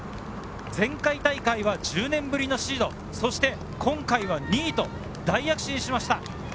前回大会は１０年ぶりのシード、そして今回は２位、大躍進しました。